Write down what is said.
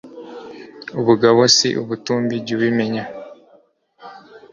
ubugabo si ubutumbi jya ubimenya